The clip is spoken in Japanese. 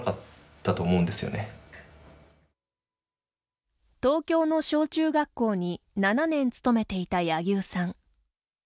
タイトルは東京の小中学校に７年務めていた柳生さん。